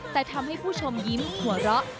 แต่ทำให้ผู้ชมยิ้มหัวเราะ